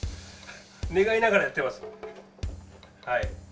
願いながらやってます。